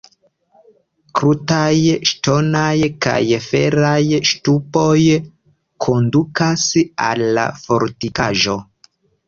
Krutaj ŝtonaj kaj feraj ŝtupoj kondukas al la fortikaĵo.